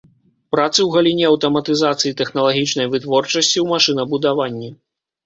Працы ў галіне аўтаматызацыі тэхналагічнай вытворчасці ў машынабудаванні.